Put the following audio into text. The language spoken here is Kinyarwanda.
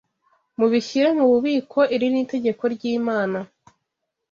mubishyire mu bubiko iri ni itegeko ry’Imana